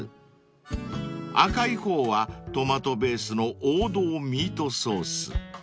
［赤い方はトマトベースの王道ミートソース］